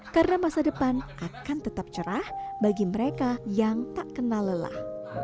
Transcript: karena masa depan akan tetap cerah bagi mereka yang tak kena lelah